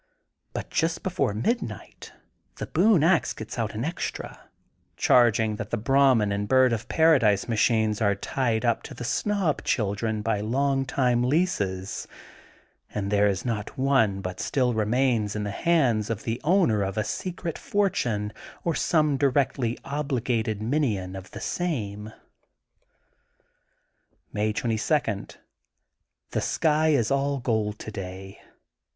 But just before midnight The Boone Ax gets out an extra, charging that the Brahmin and Bird of Paradise machines are tied up to the snob children by long time leases and there is not one but still remains in the hands of the owner of a secret fortune or some directly obligated minion of the same. May 22:— The sky is all gold today.